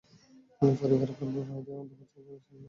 Porifera পর্বের প্রাণীদের অন্তঃপ্রাচীরে কোয়ানোসাইট নামক কোষ থাকে।